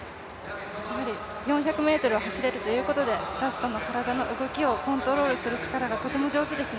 やはり４００ｍを走れるということでラストの体の力をコントロールする力がとても上手です。